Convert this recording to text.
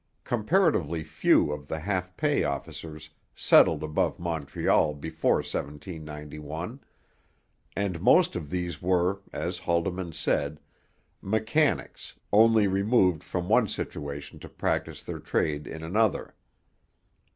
Comparatively few of the half pay officers settled above Montreal before 1791; and most of these were, as Haldimand said, 'mechanics, only removed from one situation to practise their trade in another.'